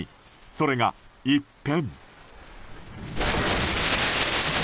それが一変。